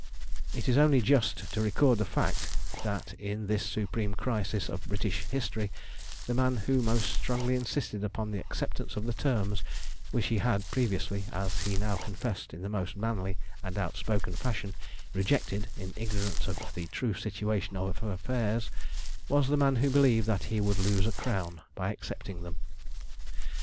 It is only just to record the fact that in this supreme crisis of British history the man who most strongly insisted upon the acceptance of the terms which he had previously, as he now confessed in the most manly and outspoken fashion, rejected in ignorance of the true situation of affairs, was the man who believed that he would lose a crown by accepting them.